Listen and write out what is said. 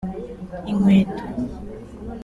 inkweto